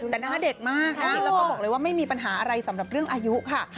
แต่หน้าเด็กมากนะแล้วก็บอกเลยว่าไม่มีปัญหาอะไรสำหรับเรื่องอายุค่ะ